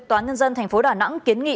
tòa nhân dân tp đà nẵng kiến nghị